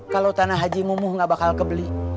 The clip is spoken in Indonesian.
kalau tanah haji mumuh nggak bakal kebeli